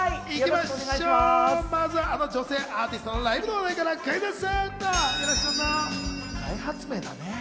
まずはあの女性アーティストのライブの話題からクイズッス！